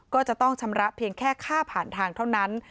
ก็จะต้องชำระเพียงแค่ค่าผ่านทางเท่านั้น